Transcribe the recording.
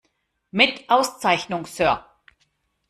Mit Auszeichnung, Sir!